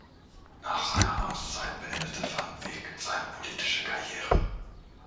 Nach seiner Amtszeit beendete Van Wyck seine politische Karriere.